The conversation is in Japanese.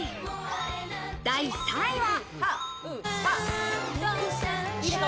第３位は。